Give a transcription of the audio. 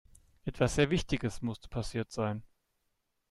Etwas sehr Wichtiges musste passiert sein.